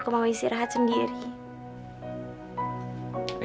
aku mau istirahat sendiri